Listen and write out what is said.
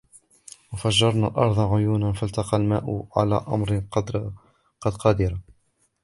وفجرنا الأرض عيونا فالتقى الماء على أمر قد قدر